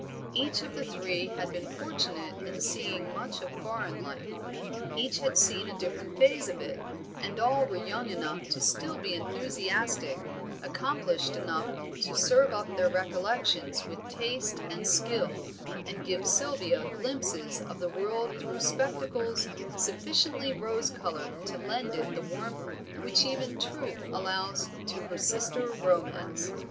Each of the three had been fortunate in seeing much of foreign life; each had seen a different phase of it, and all were young enough to be still enthusiastic, accomplished enough to serve up their recollections with taste and skill, and give Sylvia glimpses of the world through spectacles sufficiently rose colored to lend it the warmth which even Truth allows to her sister Romance.